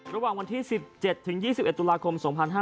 ระหว่างวันที่๑๗๒๑ตุลาคม๒๕๕๙